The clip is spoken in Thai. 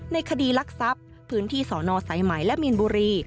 ในคดีรักทรัพย์พื้นที่สอนอสายไหมและมีนบุรี